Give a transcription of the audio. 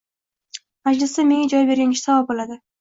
Majlisda menga joy bergan kishi savob oladi.